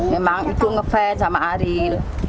memang ibu ngefans sama ariel